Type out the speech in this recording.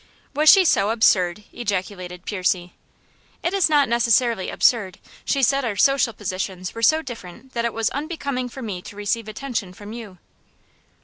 "Was she so absurd?" ejaculated Percy. "It is not necessarily absurd. She said our social positions were so different that it was unbecoming for me to receive attention from you."